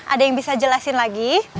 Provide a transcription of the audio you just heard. ada yang bisa jelasin lagi